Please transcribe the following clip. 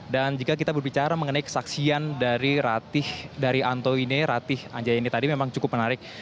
dan jika kita berbicara mengenai saksian dari ratih dari antoine ratianjayani tadi memang cukup menarik